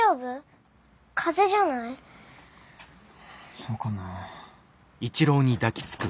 そうかな。